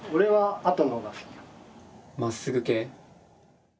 まっすぐ系？